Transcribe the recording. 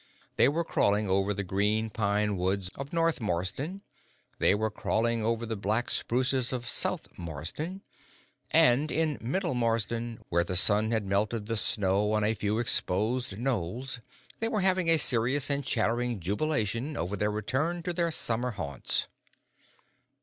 They were cawing over the green pine woods of North Marsden, they were cawing over the black spruces of South Marsden, and in Middle Marsden, where the sun had melted the snow on a few exposed knolls, they were having a serious and chattering jubilation over their return to their summer haunts.